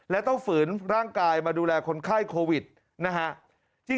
และต้องฝืนร่างกายมาดูแลคนไข้โควิดนะฮะ